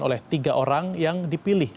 oleh tiga orang yang dipilih